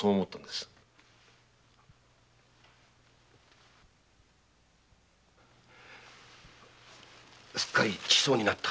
すっかり馳走になった。